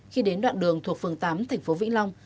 khi đến đoạn đường thuộc phường tám thành phố vĩnh long